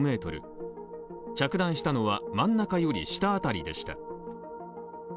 着弾したのは、真ん中より下辺りでした。